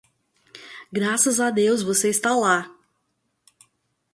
Graças a Deus você está lá!